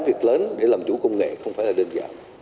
việc lớn để làm chủ công nghệ không phải là đơn giản